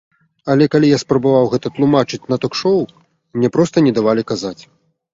Але калі я спрабаваў гэта тлумачыць на ток-шоў, мне проста не давалі казаць.